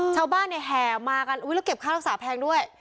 ชาวบ้านเนี่ยแห่มากันแล้วเก็บค่ารักษาแพงด้วย